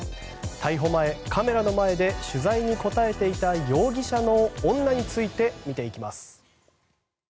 逮捕前、カメラの前で取材に答えていた容疑者の女について見ていきます。